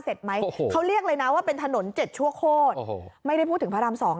ไหมเขาเรียกเลยนะว่าเป็นถนนเจ็ดชั่วโคตรโอ้โหไม่ได้พูดถึงพระรามสอง